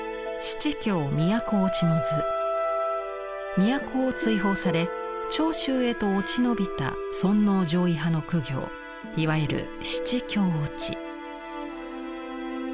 都を追放され長州へと落ち延びた尊皇攘夷派の公卿いわゆる「七卿落ち」。